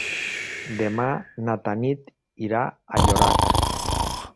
Demà na Tanit irà a Llorac.